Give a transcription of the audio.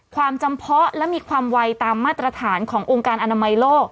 ความจำเพาะและมีความไวตามมาตรฐานขององค์การอนามัยโลก